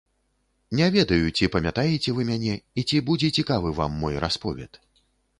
Не ведаю, ці памятаеце вы мяне і ці будзе цікавы вам мой расповед.